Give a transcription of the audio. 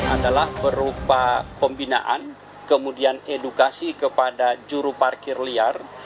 adalah berupa pembinaan kemudian edukasi kepada juru parkir liar